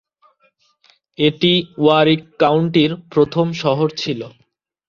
এটি ওয়ারিক কাউন্টির প্রথম শহর ছিল।